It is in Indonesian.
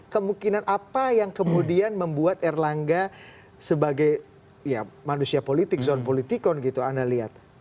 kemungkinan apa yang kemudian membuat erlangga sebagai ya manusia politik zon politikon gitu anda lihat